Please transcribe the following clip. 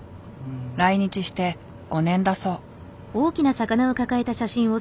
来日して５年だそう。